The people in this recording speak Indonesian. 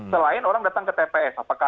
selain orang datang ke tps apakah